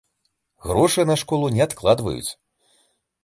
Грошы на школу не адкладваюць.